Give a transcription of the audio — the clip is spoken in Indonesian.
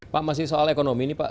pak masih soal ekonomi ini pak